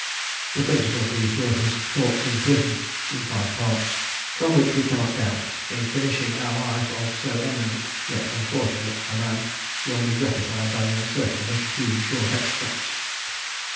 The principal of these were his "Thoughts in Prison," in five parts, from which we cannot doubt but that our readers, in finishing our life of so eminent, yet unfortunate, a man, will be gratified by the insertion of a few short extracts.